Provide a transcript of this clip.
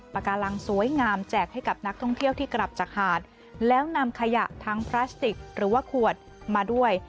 ปากการังสวยงามแจกให้กับนักท่องเที่ยวที่กลับจากหาดแล้วนำขยะทั้งพลาสติกหรือว่าขวดมาด้วย